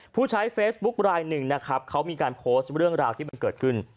ผู้ชายเฟซบุ๊กลาย๑นะครับเขามีการโพสต์เรื่องราวที่เกิดขึ้น